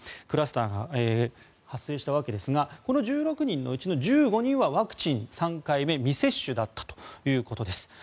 クラスターが発生したわけですがこの１６人のうちの１５人がワクチン３回目未接種だったということです。